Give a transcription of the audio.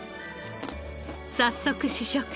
早速試食。